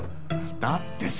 だってさ。